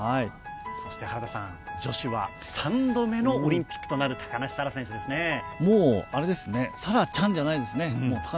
そして、女子は３度目のオリンピックとなる高梨沙羅選手ですね。